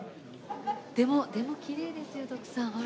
でもきれいですよ徳さんほら。